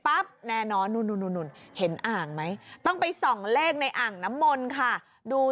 แน่นอนนู่นเห็นอ่างไหมต้องไปส่องเลขในอ่างน้ำมนต์ค่ะดู